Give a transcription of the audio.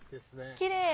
きれい。